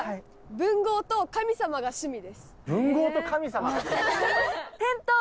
文豪と神様が趣味？